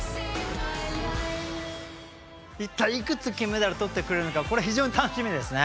一体いくつ金メダル取ってくるのかこれ非常に楽しみですね。